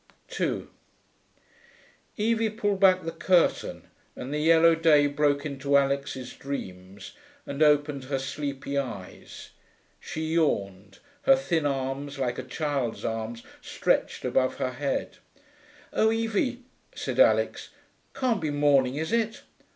2 Evie pulled back the curtain, and the yellow day broke into Alix's dreams and opened her sleepy eyes. She yawned, her thin arms, like a child's arms, stretched above her head. 'Oh, Evie,' said Alix. 'Can't be morning, is it?'